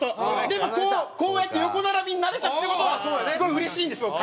でもこうやって横並びになれたっていう事がすごいうれしいんですよ。